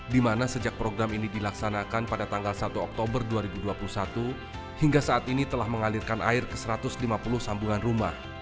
di mana sejak program ini dilaksanakan pada tanggal satu oktober dua ribu dua puluh satu hingga saat ini telah mengalirkan air ke satu ratus lima puluh sambungan rumah